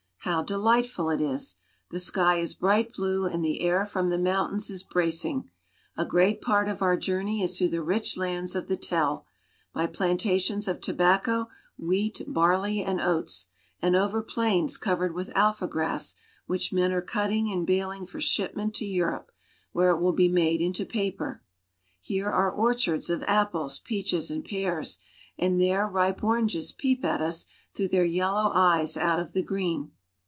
How delightful it is ! The sky is bright blue and the air from the mountains is bracing. A great part of our jour ney is through the rich lands of the Tell, by plantations of tobacco, wheat, barley, and oats, and over plains cov ered with alfa grass, which men are cutting and baling for shipment to Europe, where it will be made into paper. Here are orchards of apples, peaches, and pears, and there ripe oranges peep at us through their yellow eyes out of the green.